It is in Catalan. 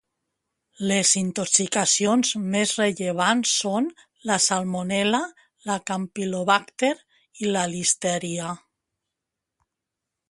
Les intoxicacions més rellevants són la Salmonel·la, la Campylobacter, i la Listèria.